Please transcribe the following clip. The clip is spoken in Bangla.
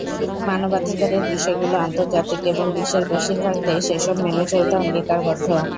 মানবাধিকারের বিষয়গুলো আন্তর্জাতিক এবং বিশ্বের বেশির ভাগ দেশ এসব মেনে চলতে অঙ্গীকারবদ্ধ।